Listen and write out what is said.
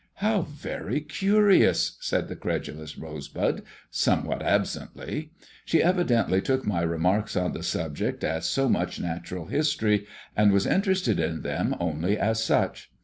"How very curious!" said the credulous rosebud, somewhat absently. She evidently took my remarks on the subject as so much natural history, and was interested in them only as such.